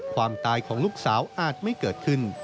ความตายของลูกสาวอาจไม่เกิดขึ้น